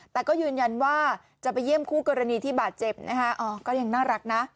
แต่ก็ยืนยันว่าจะไปเยี่ยมคู่กรณีที่บาดเจ็บนะคะอ๋อก็ยังน่ารักนะ